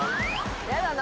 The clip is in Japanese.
やだな